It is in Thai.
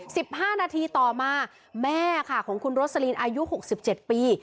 สิบห้านาทีต่อมาแม่ค่ะของคุณโรสลินอายุหกสิบเจ็ดปี